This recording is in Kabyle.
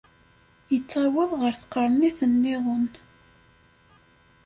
Ittaweḍ ɣer tqernit-nniḍen.